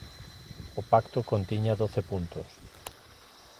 O pacto contiña doce puntos.